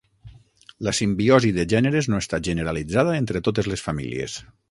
La simbiosi de gèneres no està generalitzada entre totes les famílies.